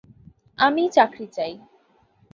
আমি চাকরি চাই।